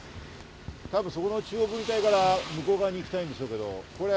多分そこの中央分離帯から向こう側に行きたいんでしょうけど。